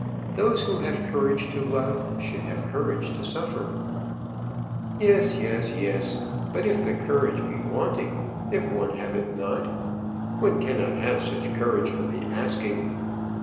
Those who have courage to love should have courage to suffer." "Yes, yes, yes. But if the courage be wanting? if one have it not? One cannot have such courage for the asking."